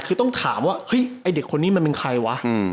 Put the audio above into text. คือต้องถามว่าเฮ้ยไอ้เด็กคนนี้มันเป็นใครวะ